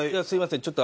すみません